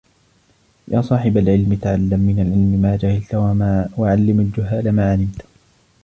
يَا صَاحِبَ الْعِلْمِ تَعَلَّمْ مِنْ الْعِلْمِ مَا جَهِلْت وَعَلِّمْ الْجُهَّالَ مَا عَلِمْت